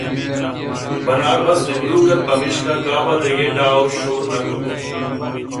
بناربس نندوک ات پمشکا کاف ءَدگہ ڈاہ ءُشور نہ کُت